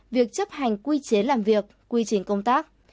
việc chấp hành quy chế làm việc quy trình công tác